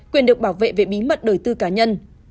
quyền được bảo vệ về bí mật đời tư cá nhân